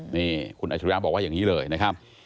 นี่คุณอาชิริยะบอกว่าอย่างนี้เลยนะครับ